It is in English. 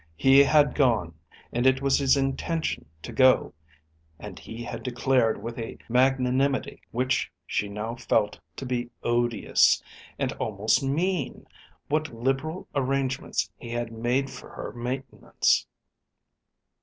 He had gone, and it was his intention to go. And he had declared with a magnanimity which she now felt to be odious, and almost mean, what liberal arrangements he had made for her maintenance.